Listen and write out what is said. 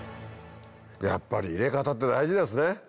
やっぱり入れ方って大事ですね。